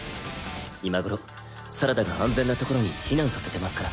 今頃サラダが安全なところに避難させてますから。